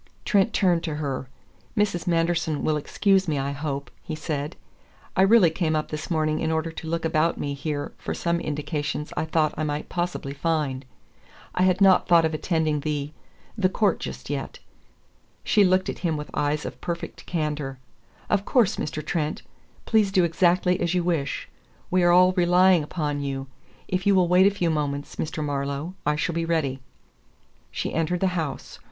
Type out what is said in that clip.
Trent turned to her. "Mrs. Manderson will excuse me, I hope," he said. "I really came up this morning in order to look about me here for some indications I thought I might possibly find. I had not thought of attending the the court just yet." She looked at him with eyes of perfect candor. "Of course, Mr. Trent. Please do exactly as you wish. We are all relying upon you. If you will wait a few moments, Mr. Marlowe, I shall be ready." She entered the house.